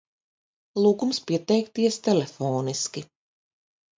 Lūgums pieteikties telefoniski!